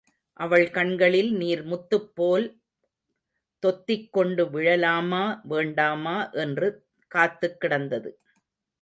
அவள் கண்களில் நீர் முத்துப்போல் தொத்திக் கொண்டு விழலாமா வேண்டாமா என்று காத்துக்கிடந்தது.